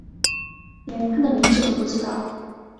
连他的名字都不知道